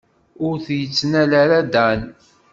Ur tt-yettnal ara Dan.